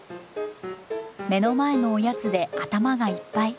目の前のおやつで頭がいっぱい。